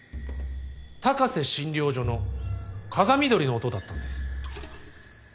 高瀬診療所の風見鶏の音だったんです。